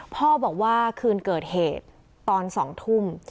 พ่อบอกว่าคืนเกิดเหตุตอน๒ทุ่ม